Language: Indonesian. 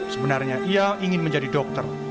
sebenarnya ia ingin menjadi dokter